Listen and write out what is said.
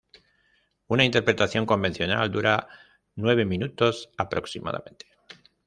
Una interpretación convencional dura nueve minutos aproximadamente.